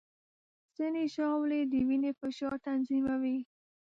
ځینې ژاولې د وینې فشار تنظیموي.